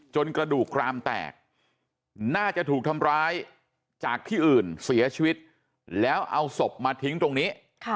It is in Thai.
กระดูกกรามแตกน่าจะถูกทำร้ายจากที่อื่นเสียชีวิตแล้วเอาศพมาทิ้งตรงนี้